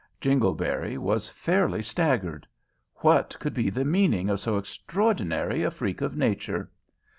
Jingleberry was fairly staggered. What could be the meaning of so extraordinary a freak of nature?